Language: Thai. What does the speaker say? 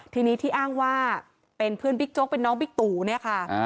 ทีนี้ที่อ้างว่าเป็นเพื่อนบิ๊กโจ๊กเป็นน้องบิ๊กตู่เนี่ยค่ะ